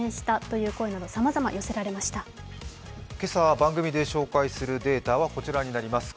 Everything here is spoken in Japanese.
今朝、番組で紹介するデータは、こちらになります。